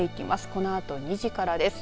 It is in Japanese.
このあと２時からです。